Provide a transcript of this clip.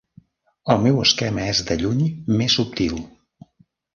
El meu esquema és de lluny més subtil.